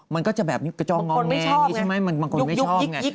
มันก็จะแบบกระจ้องงองแมงมันคนไม่ชอบไง